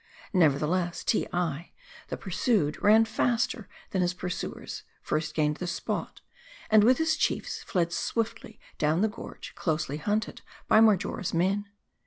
Nevertheless, Teei the pursued ran faster than his pursuers ; first gained the spot ; and with his chiefs, fled swiftly down the gorge, closely hunted by Marjora' s men.